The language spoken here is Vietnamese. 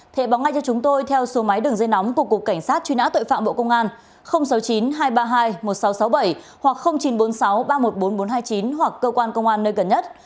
hãy báo ngay cho chúng tôi theo số máy đường dây nóng của cục cảnh sát truy nã tội phạm bộ công an sáu mươi chín hai trăm ba mươi hai một nghìn sáu trăm sáu mươi bảy hoặc chín trăm bốn mươi sáu ba trăm một mươi bốn nghìn bốn trăm hai mươi chín hoặc cơ quan công an nơi gần nhất